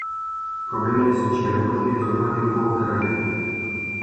Problemele sociale pot fi rezolvate în cooperare.